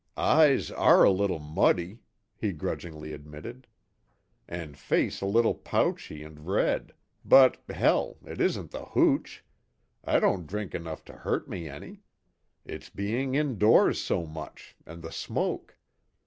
"Eyes are a little muddy," he grudgingly admitted, "And face a little pouchy and red, but, hell, it isn't the hooch! I don't drink enough to hurt me any. It's being indoors so much, and the smoke.